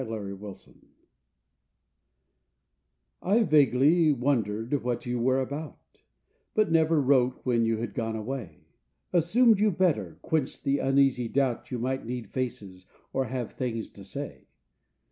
SQUIRE ELEGY I vaguely wondered what you were about, But never wrote when you had gone away; Assumed you better, quenched the uneasy doubt You might need faces, or have things to say.